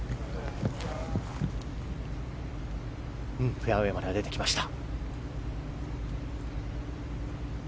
フェアウェーまで出てきました。